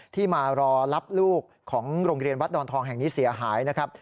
ที่มารอรับลูกของโรงเรียนวัดดอนทองแห่งนี้เสียหายนะครับ